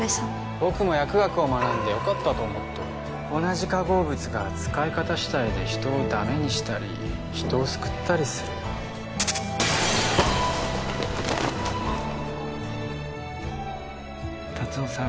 僕も薬学を学んでよかったと思っとる同じ化合物が使い方しだいで人をダメにしたり人を救ったりする・達雄さん